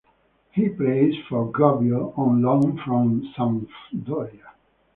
He plays for Gubbio on loan from Sampdoria.